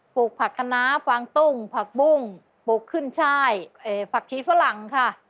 ลูกผักกะน้าฟางตุ้งผักบุ้งปลูกขึ้นช่ายผักชีฝรั่งค่ะ